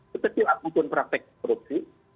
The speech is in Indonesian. ketika apapun praktek korupsi